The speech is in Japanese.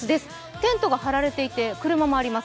テントが張られていて車もあります。